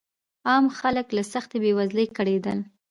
عام خلک له سختې بېوزلۍ کړېدل.